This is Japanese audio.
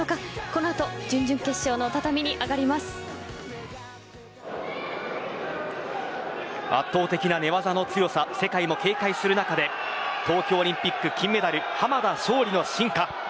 この後圧倒的な寝技の強さ世界が警戒する中で東京オリンピック金メダル濱田尚里の進化。